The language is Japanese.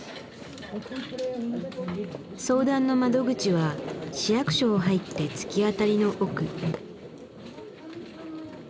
相談の窓口は市役所を入って突き当たりの奥。